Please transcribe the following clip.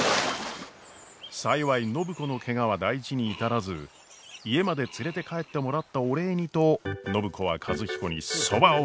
幸い暢子のケガは大事に至らず家まで連れて帰ってもらったお礼にと暢子は和彦にそばを振る舞うことにしました。